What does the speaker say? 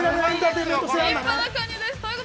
立派なカニです。